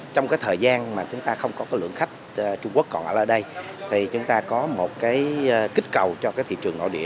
trong cái thời gian mà chúng ta không có cái lượng khách trung quốc còn ở đây thì chúng ta có một cái kích cầu cho cái thị trường nội địa